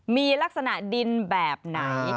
มีลักษณะดินแบบไหน